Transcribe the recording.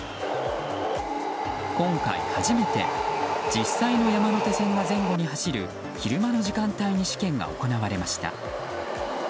今回初めて実際の山手線が前後に走る昼間の時間帯に試験が行われました。